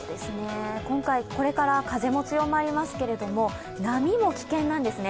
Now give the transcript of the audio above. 今回、これから風も強まりますけれども、波も危険なんですね。